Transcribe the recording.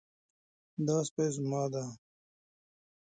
دا سپی زما ده